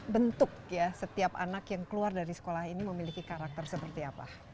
bentuk ya setiap anak yang keluar dari sekolah ini memiliki karakter seperti apa